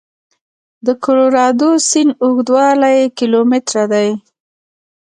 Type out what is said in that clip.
د کلورادو سیند اوږدوالی کیلومتره دی.